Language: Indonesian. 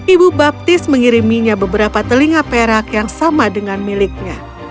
ibu baptis mengiriminya beberapa telinga perak yang sama dengan miliknya